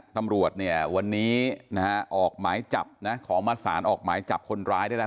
ตำรวจเนี่ยวันนี้นะฮะออกหมายจับนะขอมาสารออกหมายจับคนร้ายได้แล้ว